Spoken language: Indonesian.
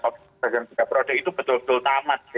presiden juga berada itu betul betul tamat